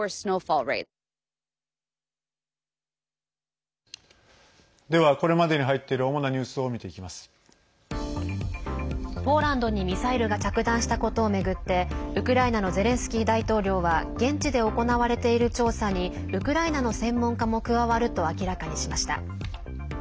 ポーランドにミサイルが着弾したことを巡ってウクライナのゼレンスキー大統領は現地で行われている調査にウクライナの専門家も加わると明らかにしました。